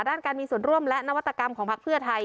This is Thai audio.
ด้านการมีส่วนร่วมและนวัตกรรมของพักเพื่อไทย